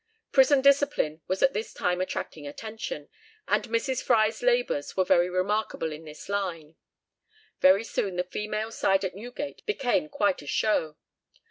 Prison discipline was at this time attracting attention, and Mrs. Fry's labours were very remarkable in this line. Very soon the female side at Newgate became quite a show.